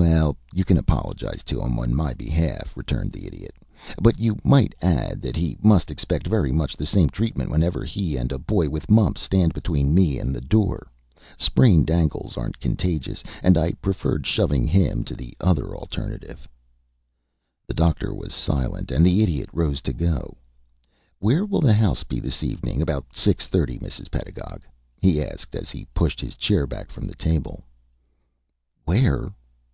"Well, you can apologize to him in my behalf," returned the Idiot; "but you might add that he must expect very much the same treatment whenever he and a boy with mumps stand between me and the door. Sprained ankles aren't contagious, and I preferred shoving him to the other alternative." The Doctor was silent, and the Idiot rose to go. "Where will the house be this evening about six thirty, Mrs. Pedagog?" he asked, as he pushed his chair back from the table. "Where?